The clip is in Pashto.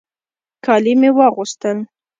کالي مې واغوستل.